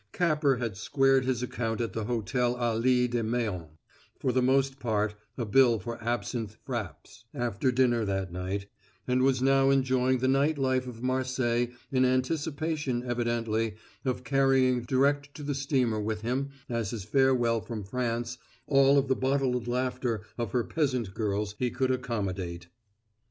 Capper had squared his account at the Hotel Allées de Meilhan, for the most part a bill for absinth frappés, after dinner that night, and was now enjoying the night life of Marseilles in anticipation, evidently, of carrying direct to the steamer with him as his farewell from France all of the bottled laughter of her peasant girls he could accommodate.